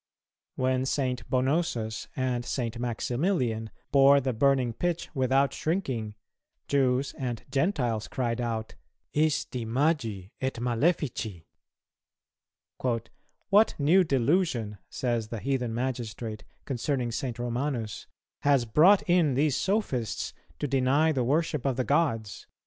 When St. Bonosus and St. Maximilian bore the burning pitch without shrinking, Jews and Gentiles cried out, Isti magi et malefici. "What new delusion," says the heathen magistrate concerning St. Romanus, "has brought in these sophists to deny the worship of the gods?